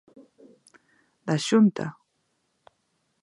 Da Xunta?